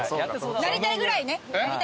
なりたいぐらいね。